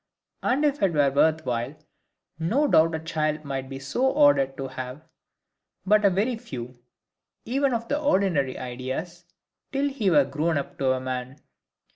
And if it were worth while, no doubt a child might be so ordered as to have but a very few, even of the ordinary ideas, till he were grown up to a man.